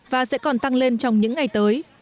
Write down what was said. và sẽ còn tăng lên trong những ngày tới